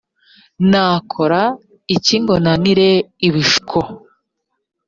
nakora iki ngo nanire ibishuko